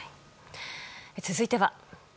続いては。